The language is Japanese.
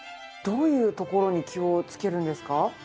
どういうところに気をつけるんですか？